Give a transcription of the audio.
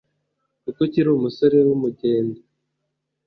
kuko ukiri umusore w’umugenda